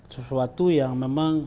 sesuatu yang memang